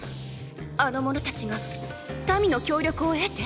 あの者たちが民の協力を得て？